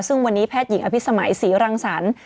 ซึ่งวันนี้แพทย์หญิงอภิษมัยศรีรังสรรค์